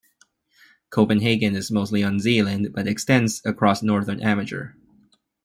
Copenhagen is mostly on Zealand but extends across northern Amager.